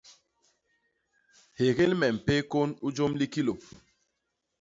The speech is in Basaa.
Hégél me mpék kôn u jôm li kilô.